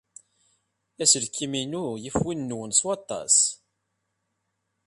Aselkim-inu yif win-nwen s waṭas.